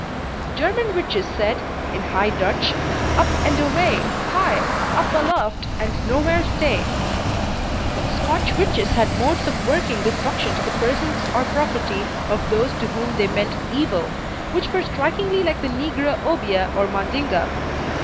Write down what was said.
German witches said (in High Dutch:) "Up and away! Hi! Up aloft, and nowhere stay!" Scotch witches had modes of working destruction to the persons or property of those to whom they meant evil, which were strikingly like the negro obeah or mandinga.